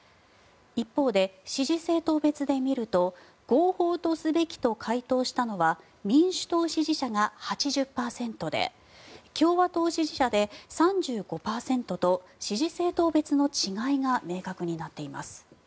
一方で支持政党別で見ると合法とすべきと回答したのは民主党支持者が８０％で共和党支持者では３５％と支持政党別の違いが明確になっています。